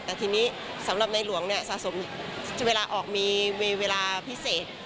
แต่ทีนี้สำหรับในหลวงเนี่ยสะสมเวลาออกมีเวลาพิเศษ